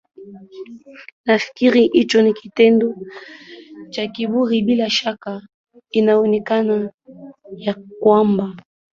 nafikiri hicho ni kite kitendo cha kiburi bila shaka inaonekana ya kwamba